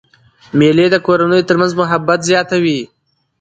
مېلې د کورنیو تر منځ محبت زیاتوي.